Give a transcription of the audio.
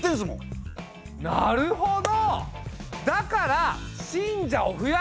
あなるほど。